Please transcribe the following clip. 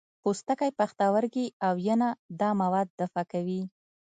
پوستکی، پښتورګي او ینه دا مواد دفع کوي.